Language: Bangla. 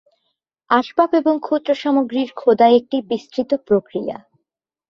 আসবাব এবং ক্ষুদ্র সামগ্রীর খোদাই একটি বিস্তৃত প্রক্রিয়া।